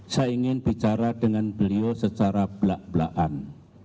saya ingin bicara dengan beliau secara belak belakan